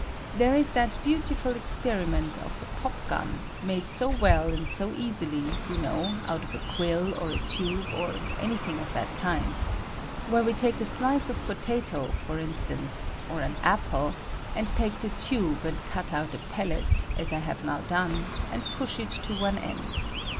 There ^^^B is that beautiful experimeiit of the popgun, ^^^■'jnade so well and so ensilj, you know, out of a ^^H qnill, or a tube, or any thing of that kind; ^^^B where we take a slice of potato, for instance, or ^^^1 an apple, and take the tube and cut out a pellet, ^^^ as I have now done, and push it to one end.